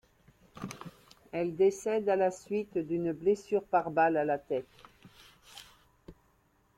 Elle décède à la suite d'une blessure par balle à la tête.